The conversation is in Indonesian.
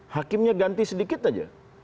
hakimnya ganti sedikit saja